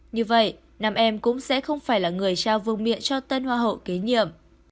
như vậy nam em cũng sẽ không phải là người trao vương miện cho tên hoa hậu kế nhiệm